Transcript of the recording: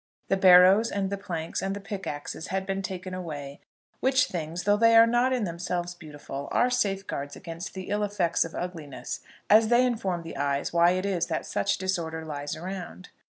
The barrows, and the planks, and the pickaxes had been taken away, which things, though they are not in themselves beautiful, are safeguards against the ill effects of ugliness, as they inform the eyes why it is that such disorder lies around.